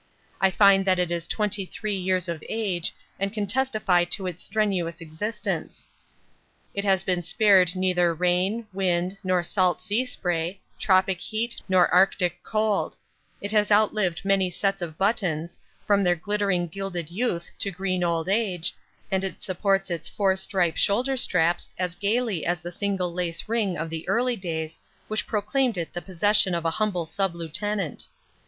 I find that it is twenty three years of age and can testify to its strenuous existence. It has been spared neither rain, wind, nor salt sea spray, tropic heat nor Arctic cold; it has outlived many sets of buttons, from their glittering gilded youth to green old age, and it supports its four stripe shoulder straps as gaily as the single lace ring of the early days which proclaimed it the possession of a humble sub lieutenant.